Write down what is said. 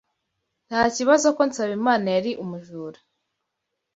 Ntakibazo ko Nsabimana yari umujura.